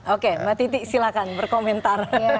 oke mbak titi silakan berkomentar